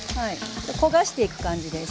焦がしていく感じです。